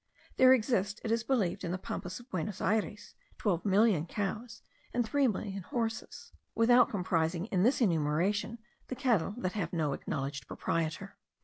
There exist, it is believed, in the Pampas of Buenos Ayres, 12,000,000 cows, and 3,000,000 horses, without comprising in this enumeration the cattle that have no acknowledged proprietor.